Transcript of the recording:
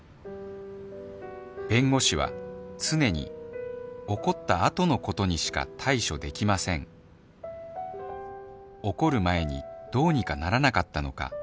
弁護士は常に起こった後のことにしか対処できません起こる前にどうにかならなかったのか。